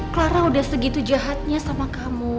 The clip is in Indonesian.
clara udah segitu jahatnya sama kamu